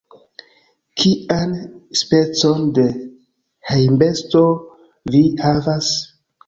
Kian specon de hejmbesto vi havas?